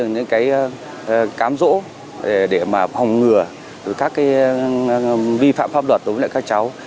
những cái cám dỗ để mà hồng ngừa các vi phạm pháp luật đối với các cháu